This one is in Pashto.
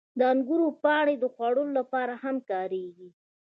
• د انګورو پاڼې د خوړو لپاره هم کارېږي.